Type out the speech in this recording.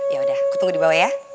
ya udah aku tunggu di bawah ya